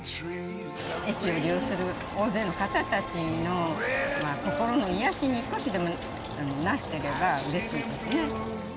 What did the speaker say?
駅を利用する大勢の方たちの心の癒やしに、少しでもなってればうれしいですね。